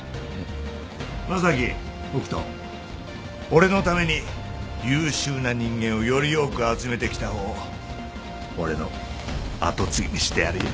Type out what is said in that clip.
俺のために優秀な人間をより多く集めてきた方を俺の跡継ぎにしてやるよ。